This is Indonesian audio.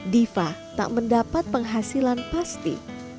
diva tak mendapat penghasilan pasti